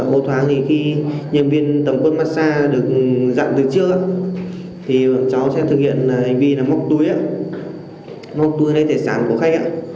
ô thoại thì khi nhân viên tầm quân massage được dặn từ trước thì cháu sẽ thực hiện hành vi móc túi móc túi lên tài sản của khách